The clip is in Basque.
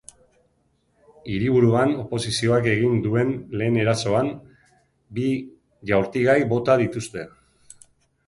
Hiriburuan oposizioak egin duen lehen erasoan, bi jaurtigai bota dituzte.